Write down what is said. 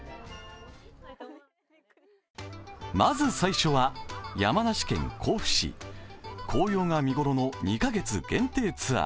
まず最初は、山梨県甲府市紅葉が見頃の２カ月限定ツアー。